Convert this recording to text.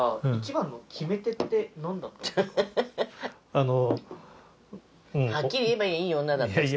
あの。